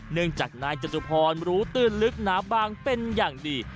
เนื่องจากนายจตุพรรู้ตื้นลึกหนาบางเป็นอย่างดี